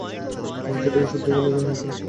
আমি সেটাকে সত্যি বলেই ধরে নিয়েছিলাম।